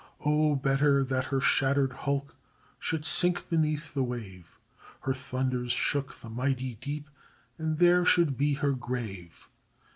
— Oh, better that her shattered hulk Should sink beneath the wave; Her thunders shook the mighty deep, And there should be her grave.